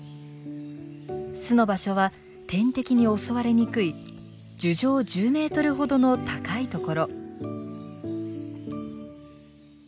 巣の場所は天敵に襲われにくい樹上１０メートルほどの高いところ。